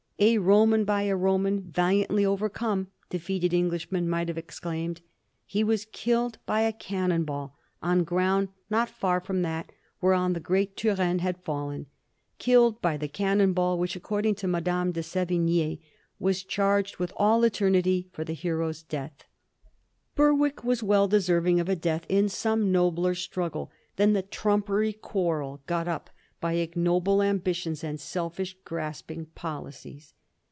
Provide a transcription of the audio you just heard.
^'A Roman by a Roman valiantly o'er come," defeated Englishmen might have exclaimed. He was killed by a cannon ball on ground not far from that whereon the great Turenne had fallen — killed by the cannon ball which, according to Madame de S6vigne, was charged from all eternity for the hero's death. Berwick was well deserving of a death in some nobler struggle than the trumpery quarrel got up by ignoble ambitions and selfish, grasping policies.